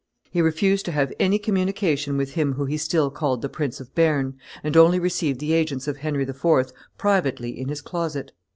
He refused to have any communication with him whom he still called the Prince of Bearn, and only received the agents of Henry IV. privately in his closet.